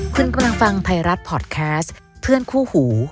คุณกำลังฟังไทยรัฐพอร์ตแคสต์เพื่อนคู่หู